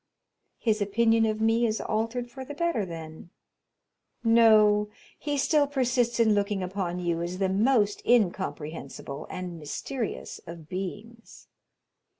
"His opinion of me is altered for the better, then?" "No, he still persists in looking upon you as the most incomprehensible and mysterious of beings."